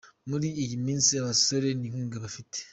Muri iyi minsi abasore n’inkumi bafite.